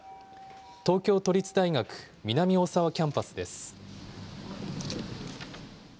東京都立大学南大沢キャンパスです。